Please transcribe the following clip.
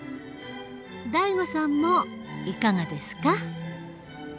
ＤＡＩＧＯさんもいかがですか？